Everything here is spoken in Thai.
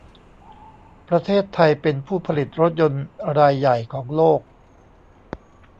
ประเทศไทยเป็นผู้ผลิตรถยนต์รายใหญ่ของโลก